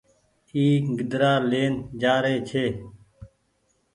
اي گيدرآ لين جآ رئي ڇي۔